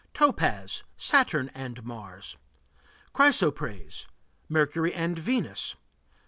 Topaz Saturn and Mars. Chrysoprase Mercury and Venus.